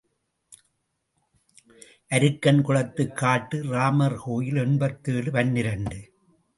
அருக்கன் குளத்து காட்டு ராமர் கோயில் எண்பத்தேழு பனிரண்டு .